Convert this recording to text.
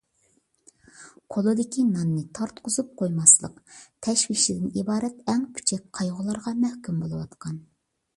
«قولىدىكى ناننى تارتقۇزۇپ قويماسلىق» تەشۋىشىدىن ئىبارەت ئەڭ پۈچەك قايغۇلارغا مەھكۇم بولۇۋاتقان.